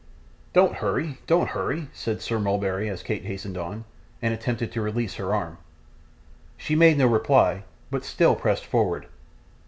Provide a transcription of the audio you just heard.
'Don't hurry, don't hurry,' said Sir Mulberry, as Kate hastened on, and attempted to release her arm. She made no reply, but still pressed forward.